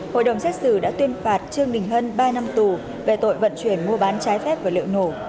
hội đồng xét xử đã tuyên phạt trương đình hân ba năm tù về tội vận chuyển mua bán trái phép và liệu nổ